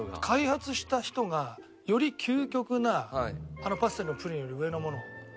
開発した人がより究極なあのパステルのプリンより上のものを。